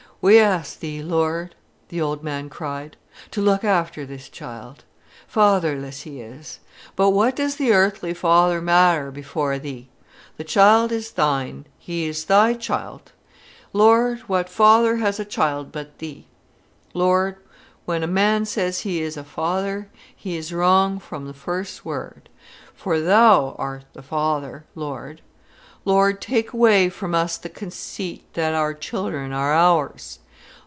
"We ask Thee, Lord," the old man cried, "to look after this childt. Fatherless he is. But what does the earthly father matter before Thee? The childt is Thine, he is Thy childt. Lord, what father has a man but Thee? Lord, when a man says he is a father, he is wrong from the first word. For Thou art the Father, Lord. Lord, take away from us the conceit that our children are ours.